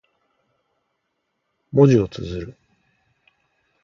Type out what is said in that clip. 文字を綴る。